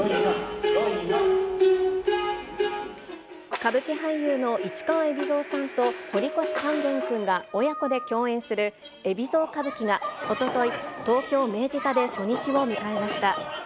歌舞伎俳優の市川海老蔵さんと堀越勸玄君が親子で共演する、海老蔵歌舞伎が、おととい、東京・明治座で初日を迎えました。